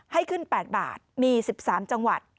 ให้ขึ้น๘บาทมี๑๓จังหวัด